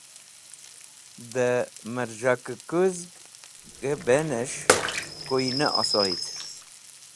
Dẽ mẽz̃hkẽkũzgẽ benẽs̃h kuy ne osoyd.